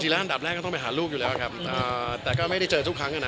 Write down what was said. แล้วอันดับแรกก็ต้องไปหาลูกอยู่แล้วครับแต่ก็ไม่ได้เจอทุกครั้งอ่ะนะ